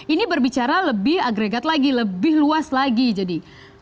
ini berbicara lebih agregat lagi lebih luas lagi jadi